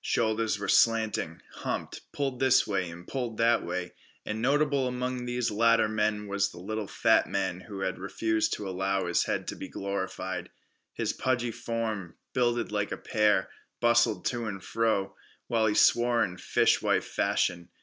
Shoulders were slanting, humped, pulled this way and pulled that way. And notable among these latter men was the little fat man who had refused to allow his head to be glorified. His pudgy form, builded like a pear, bustled to and fro, while he swore in fishwife fashion.